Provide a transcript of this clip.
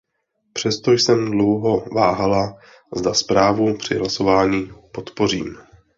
Přesto jsem dlouho váhala, zda zprávu při hlasování podpořím.